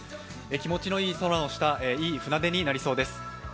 気持ちのいい空の下、いい船出になりそうです。